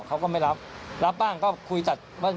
เขาก็ไม่รับรับบ้างก็คุยตัดว่า